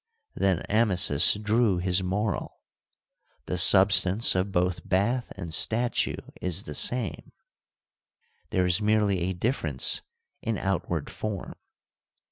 Then Amasis drew his moral : the substance of both bath and statue is the same ; there is merely a difference in outward form.